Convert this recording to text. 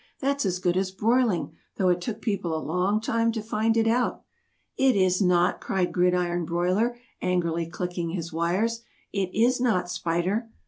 "That's as good as broiling, though it took people a long time to find it out." "It is not!" cried Gridiron Broiler angrily clicking his wires. "It is not, Spider!"